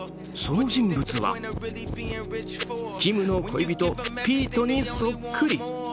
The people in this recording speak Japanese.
その人物はキムの恋人ピートにそっくり。